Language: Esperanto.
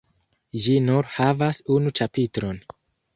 Ĝi nur havas unu ĉapitron.